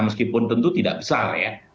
meskipun tentu tidak besar ya